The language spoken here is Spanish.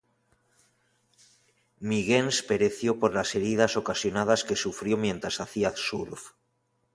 Miguens pereció por las heridas ocasionadas que sufrió mientras hacía surf.